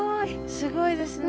すごいですね。